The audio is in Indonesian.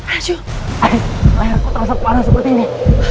aku terasa parah seperti ini